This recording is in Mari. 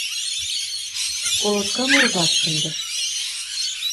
Колоткам орваш шындышт.